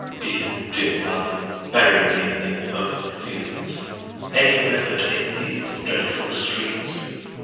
dear, dear mother, bury me in the open fields anywhere but in these dreadful streets.